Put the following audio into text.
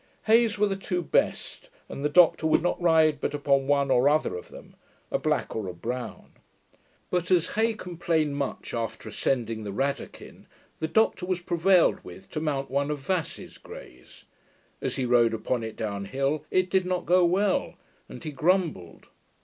Hay's were the two best, and the Doctor would not ride but upon one or other of them, a black or a brown. But, as Hay complained much after ascending the Rattakin, the Doctor was prevailed with to mount one of Vass's greys. As he rode upon it down hill, it did not go well; and he grumbled.